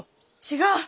違う！